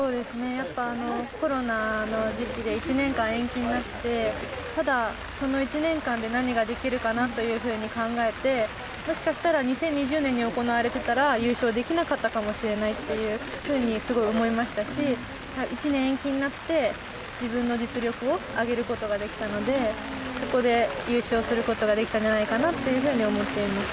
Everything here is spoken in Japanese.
やっぱりコロナの時期で１年間延期になって、ただ、その１年間で何ができるかなというふうに考えて、もしかしたら２０２０年に行われてたら、優勝できなかったかもしれないというふうにすごい思いましたし、１年延期になって、自分の実力を上げることができたので、そこで優勝することができたんじゃないかなというふうに思ってい